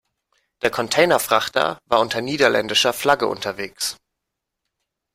Der Containerfrachter war unter niederländischer Flagge unterwegs.